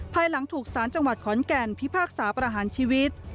ภายหลังถูกสารจังหวัดขอนแก่นพิพากษาประหารชีวิต